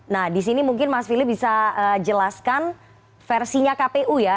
nah di sini mungkin mas fili bisa jelaskan versinya kpu ya